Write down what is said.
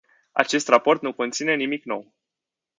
Acest raport nu conține nimic nou.